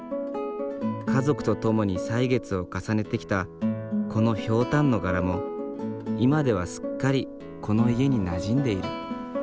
家族と共に歳月を重ねてきたこのひょうたんの柄も今ではすっかりこの家になじんでいる。